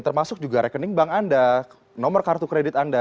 termasuk juga rekening bank anda nomor kartu kredit anda